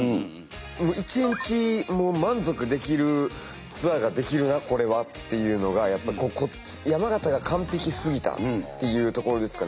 １日満足できるツアーができるなこれはっていうのがやっぱりここ山形が完璧すぎたっていうところですかね。